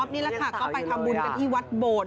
มาที่วัดโบด